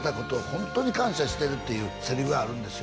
「ホントに感謝してる」っていうセリフがあるんですよね